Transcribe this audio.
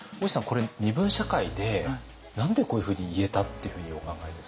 これ身分社会で何でこういうふうに言えたっていうふうにお考えですか？